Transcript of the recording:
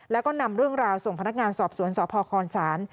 แล้วก็นำเรื่องราวส่งพนักงานสอบสวนสพคศ